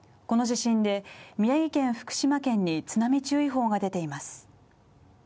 この地震で宮城県福島県に津波注意報が出ています